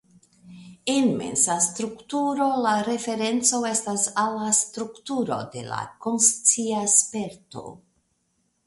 En mensa strukturo la referenco estas al la strukturo de la "konscia sperto".